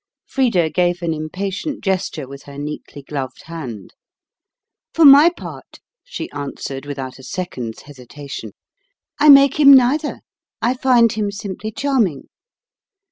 Frida gave an impatient gesture with her neatly gloved hand. "For my part," she answered without a second's hesitation, "I make him neither: I find him simply charming."